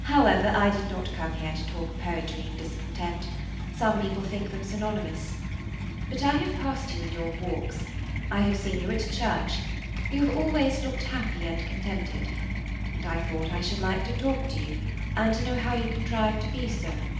However, I did not come here to talk poetry and discontent–some people think them synonymous. But I have passed you in your walks, I have seen you at church, you have always looked happy and contented, and I thought I should like to talk to you and to know how you contrive to be so."